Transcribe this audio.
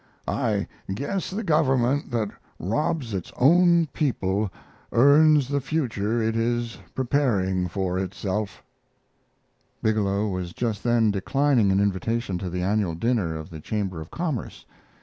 I guess the government that robs its own people earns the future it is preparing for itself. Bigelow was just then declining an invitation to the annual dinner of the Chamber of Commerce.